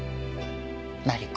マリコ